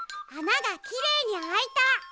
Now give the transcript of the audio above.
あながきれいにあいた。